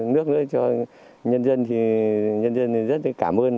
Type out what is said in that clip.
nước nữa cho nhân dân thì nhân dân thì rất cảm ơn